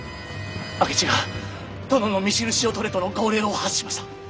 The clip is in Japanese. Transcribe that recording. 明智が殿の御首級を取れとの号令を発しました。